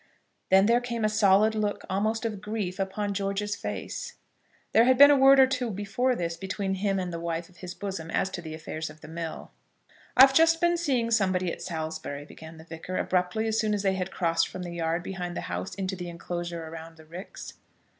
Then there came a solid look, almost of grief, upon George's face. There had been a word or two before this between him and the wife of his bosom as to the affairs of the mill. "I've just been seeing somebody at Salisbury," began the Vicar, abruptly, as soon as they had crossed from the yard behind the house into the enclosure around the ricks.